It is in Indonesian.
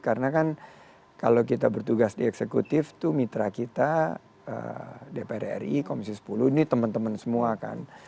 karena kan kalau kita bertugas di eksekutif itu mitra kita dpr ri komisi sepuluh ini teman teman semua kan